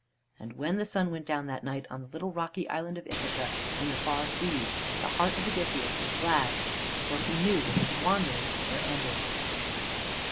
And when the sun went down that night on the little rocky island of Ithaca in the far seas, the heart of Odysseus was glad, for he knew that his wanderings were ended.